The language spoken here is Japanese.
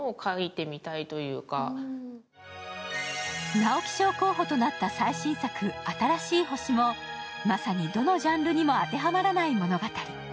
直樹賞候補となった最新作「新しい星」もまさにどのジャンルにも当てはまらない物語。